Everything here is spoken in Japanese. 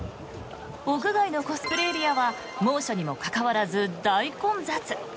屋外のコスプレエリアは猛暑にもかかわらず大混雑。